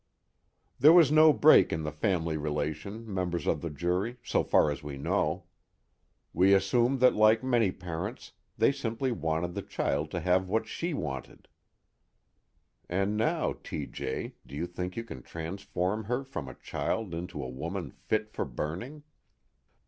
"There was no break in the family relation, members of the jury so far as we know. We assume that like many parents, they simply wanted the child to have what she wanted." (_And now, T. J., do you think you can transform her from a child into a woman fit for burning?